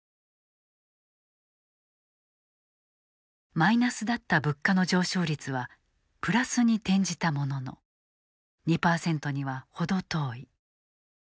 マイナスだった物価の上昇率はプラスに転じたものの２％には程遠い。